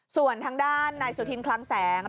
ส่วนทางด้านนายสุธินคลังแสง